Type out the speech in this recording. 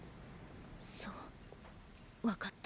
そうわかった。